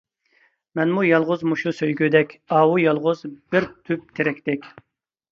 مەنمۇ يالغۇز مۇشۇ سۆيگۈدەك، ئاۋۇ يالغۇز بىر تۈپ تېرەكتەك.